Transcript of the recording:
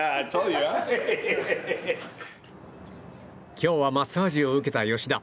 今日はマッサージを受けた吉田。